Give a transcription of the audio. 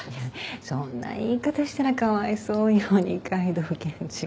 そんな言い方したらかわいそうよ二階堂検事が。